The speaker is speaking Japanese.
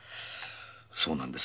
そうなんです。